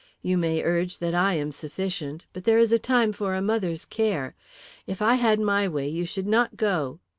You may urge that I am sufficient, but there is a time for a mother's care. If I had my way you should not go."